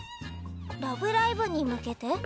「ラブライブ！」に向けて？